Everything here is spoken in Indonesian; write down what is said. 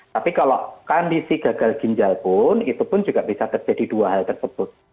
tapi kalau kondisi gagal ginjal pun itu pun juga bisa terjadi dua hal tersebut